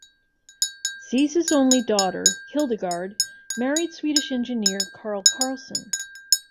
Ziese's only daughter, Hildegard, married Swedish Engineer Carl Carlson.